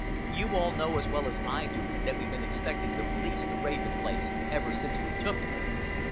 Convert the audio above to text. You all know as well as I do that we've been expecting the police to raid the place ever since we took it."